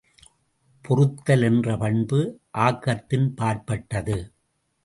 பொறுத்தல் என்ற பண்பு ஆக்கத்தின் பாற்பட்டது.